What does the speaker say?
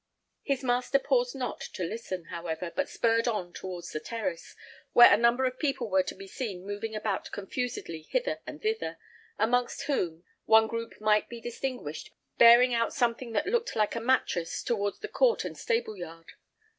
His master paused not to listen, however, but spurred on towards the terrace, where a number of people were to be seen moving about confusedly hither and thither, amongst whom, one group might be distinguished bearing out something that looked like a mattress towards the court and stable yard.